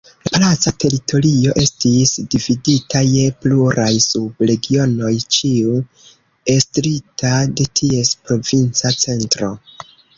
La palaca teritorio estis dividita je pluraj sub-regionoj, ĉiu estrita de ties provinca centro.